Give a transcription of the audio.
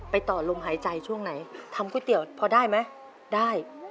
ต่อลมหายใจช่วงไหนทำก๋วยเตี๋ยวพอได้ไหมได้